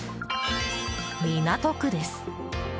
港区です。